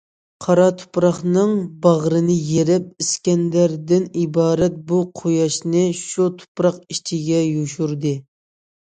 قارا تۇپراقنىڭ باغرىنى يېرىپ، ئىسكەندەردىن ئىبارەت بۇ قۇياشنى شۇ تۇپراق ئىچىگە يوشۇردى.